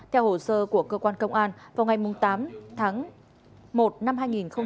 theo hồ sơ của cơ quan công an vào ngày tám tháng một năm hai nghìn hai mươi ba